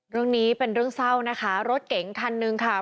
เรื่องนี้เป็นเรื่องเศร้านะคะรถเก๋งคันหนึ่งค่ะ